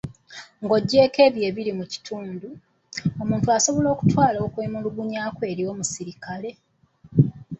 Ng'oggyeeko ebyo ebiri mu katundu , omuntu asobola okutwala okwemulugunya kwe eri omusirikale.